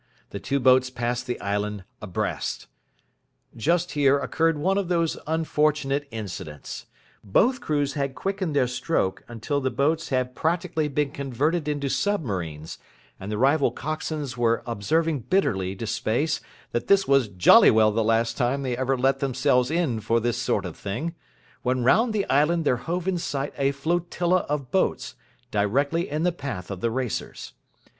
The two boats passed the island abreast. Just here occurred one of those unfortunate incidents. Both crews had quickened their stroke until the boats had practically been converted into submarines, and the rival coxswains were observing bitterly to space that this was jolly well the last time they ever let themselves in for this sort of thing, when round the island there hove in sight a flotilla of boats, directly in the path of the racers.